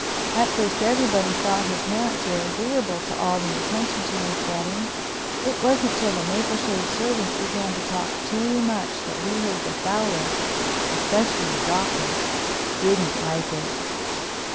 At first everybody thought her parents were agreeable to all the attention she was getting. It wasn't till the Mapleshade servants began to talk too much that we heard the Fowlers, especially the Doctor, didn't like it.